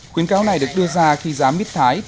khuyến cáo này được đưa ra khi giá mít thái